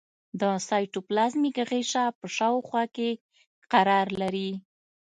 د سایتوپلازمیک غشا په شاوخوا کې قرار لري.